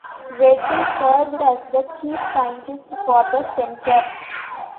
Reddy served as the Chief Scientist for the center.